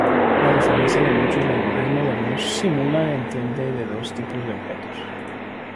A diferencia de muchos lenguajes modernos, Simula entiende de dos tipos de objetos.